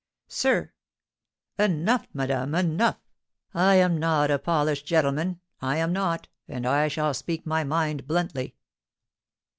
"Sir " "Enough, madame, enough! I am not a polished gentleman, I am not, and I shall speak my mind bluntly."